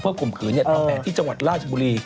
เพื่อกลุ่มขืนทำแผนที่จังหวัดลาชบุรี